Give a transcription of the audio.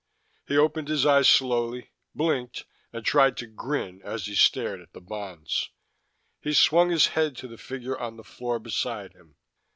He opened his eyes slowly, blinked, and tried to grin as he stared at the bonds. He swung his head to the figure on the floor beside him.